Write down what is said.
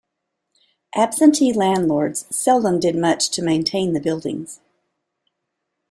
Absentee landlords seldom did much to maintain the buildings.